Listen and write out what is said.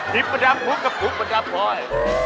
หิบประดับมุกกะปุกประดับพลอย